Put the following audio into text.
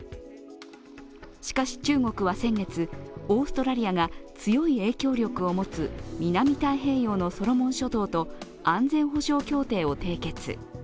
しかし、中国は先月、オーストラリアが強い影響力を持つ南太平洋のソロモン諸島と安全保障協定を締結。